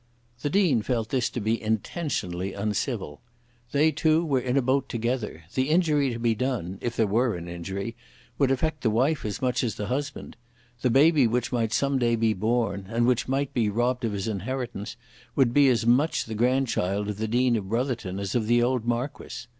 The Dean felt this to be intentionally uncivil. They two were in a boat together. The injury to be done, if there were an injury, would affect the wife as much as the husband. The baby which might some day be born, and which might be robbed of his inheritance, would be as much the grandchild of the Dean of Brotherton as of the old Marquis.